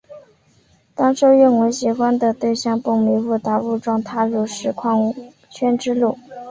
当初因为喜欢的对象蹦米误打误撞踏入实况圈之路。